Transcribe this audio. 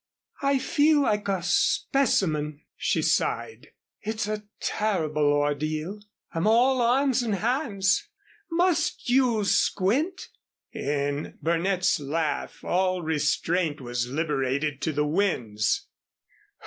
"I feel like a specimen," she sighed. "It's a terrible ordeal. I'm all arms and hands. Must you squint?" In Burnett's laugh all restraint was liberated to the winds.